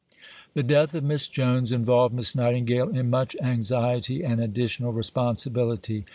The death of Miss Jones involved Miss Nightingale in much anxiety and additional responsibility.